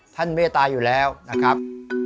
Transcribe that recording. เมตตาอยู่แล้วนะครับ